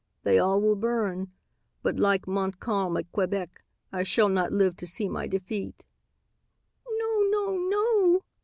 They all will burn. But like Montcalm at Quebec, I shall not live to see my defeat." "No, no, no!"